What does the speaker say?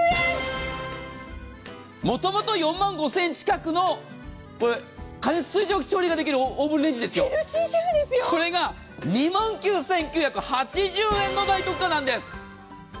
もともと４万５０００円近くの過熱水蒸気調理ができるオーブンそれが、２万９９８０円の大特価なんです。